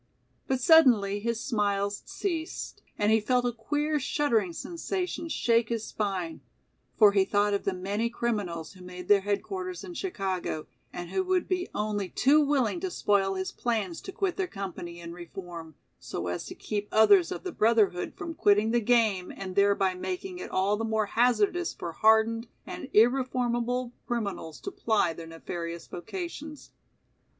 But suddenly his smiles ceased and he felt a queer shuddering sensation shake his spine, for he thought of the many criminals who made their headquarters in Chicago, and who would be only too willing to spoil his plans to quit their company and reform, so as to keep others of the brotherhood from quitting the game and thereby making it all the more hazardous for hardened and irreformable criminals to ply their nefarious vocations.